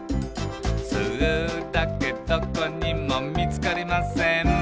「スーだけどこにもみつかりません」